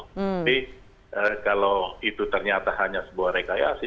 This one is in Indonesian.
jadi kalau itu ternyata hanya sebuah rekayasi